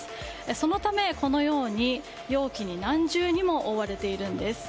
そのため、このように容器に何重にも覆われているんです。